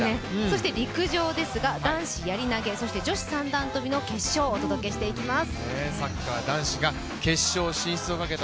陸上ですが、男子やり投げそして女子三段跳びの決勝をお届けしていきます。